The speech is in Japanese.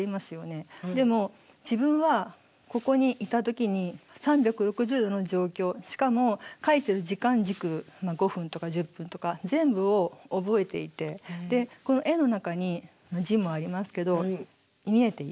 でも自分はここにいた時に３６０度の状況しかも描いてる時間軸の５分とか１０分とか全部を覚えていてで絵の中に字もありますけど見えていて。